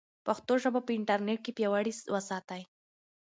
پښتو ژبه په انټرنیټ کې پیاوړې وساتئ.